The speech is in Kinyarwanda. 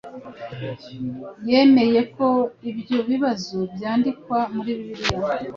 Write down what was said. yemeye ko ibyo bibazo byandikwa muri Bibiliya